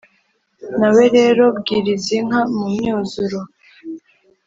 na we rero bwiriza inka mu myuzuro,